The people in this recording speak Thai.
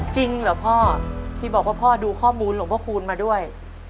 จริงเหรอพ่อที่บอกว่าพ่อดูข้อมูลหลวงพระคูณมาด้วย